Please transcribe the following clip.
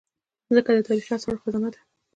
مځکه د تاریخي اثارو خزانه ده.